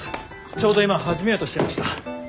ちょうど今始めようとしていました。